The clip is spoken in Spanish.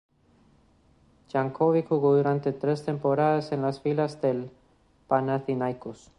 Jankovic jugó durante tres temporadas en las filas del Panathinaikos.